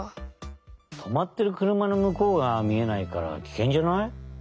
とまってるくるまのむこうがみえないからきけんじゃない？